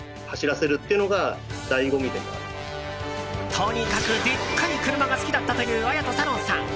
とにかく、でかい車が好きだったという綾人サロンさん。